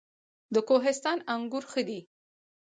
د کوهستان انګور ښه دي